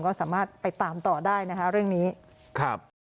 ก็สามารถไปตามต่อได้นะคะเรื่องนี้ครับ